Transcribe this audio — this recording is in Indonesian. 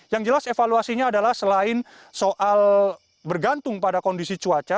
yang jelas evaluasinya adalah selain soal bergantung pada kondisi cuaca